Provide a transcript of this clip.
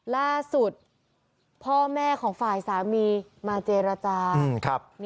ล่าสุดพ่อแม่ของฝ่ายสามีมาเจรจา